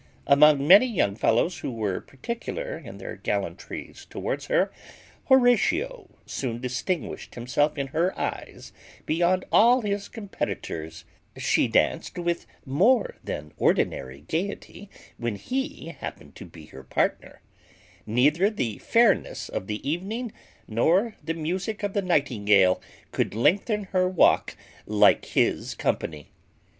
Among many young fellows who were particular in their gallantries towards her, Horatio soon distinguished himself in her eyes beyond all his competitors; she danced with more than ordinary gaiety when he happened to be her partner; neither the fairness of the evening, nor the musick of the nightingale, could lengthen her walk like his company.